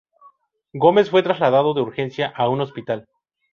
Gómez fue trasladado de urgencia a un hospital.